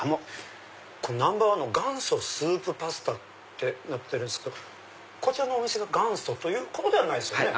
このナンバーワンの元祖スープパスタってこちらのお店が元祖ということではないですよね。